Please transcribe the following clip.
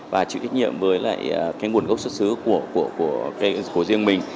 và chịu trách nhiệm với lại cái nguồn gốc xuất xứ của riêng mình